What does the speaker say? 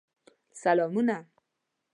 سلامونه